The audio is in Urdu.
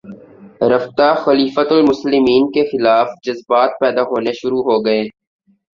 رفتہ خلیفتہ المسلمین کے خلاف جذبات پیدا ہونے شروع ہوگئے